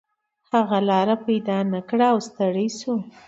هغه لاره پیدا نه کړه او ستړی شو.